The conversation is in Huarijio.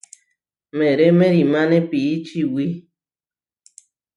Meeré meʼrimáne pií čiwí.